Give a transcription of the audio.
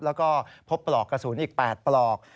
แล้วก็พบปลอกกระสุนอีก๘ปลอก